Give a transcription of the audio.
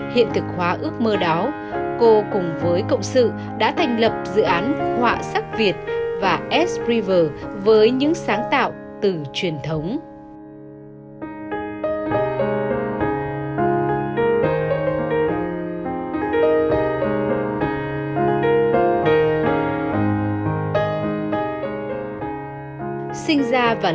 hiện thực hóa ước mơ đó cô cùng với cộng sự đã thành lập dự án họa sắc việt và s river với những sáng tạo từ truyền thống